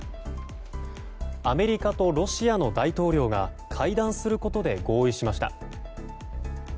アメリカとロシアの大統領が会談することで合意しました。